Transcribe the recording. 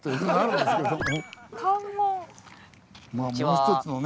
まあもう一つのね。